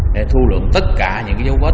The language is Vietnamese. để thu lượng tất cả những dấu vết